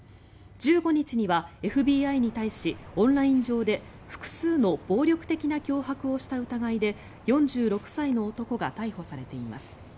１５日にはＦＢＩに対しオンライン上で複数の暴力的な脅迫をした疑いで４６歳の男が逮捕されています。